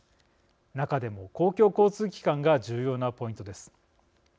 中でも公共交通機関が重要なポイントです。